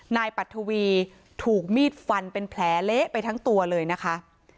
นายปัททวีถูกมีดฟันเป็นแผลเละไปทั้งตัวเลยนะคะ